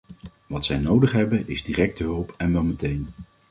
Wat zij nodig hebben is directe hulp en wel meteen!